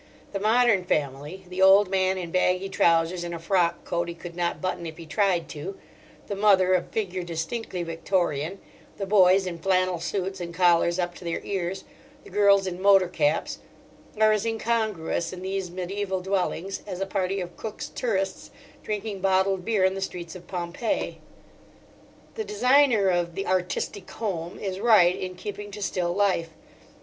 The modern family—the old man in baggy trousers and a frock coat he could not button if he tried to; the mother of figure distinctly Victorian; the boys in flannel suits and collars up to their ears; the girls in motor caps—are as incongruous in these mediæval dwellings as a party of Cook's tourists drinking bottled beer in the streets of Pompeii. The designer of "The Artistic Home" is right in keeping to still life.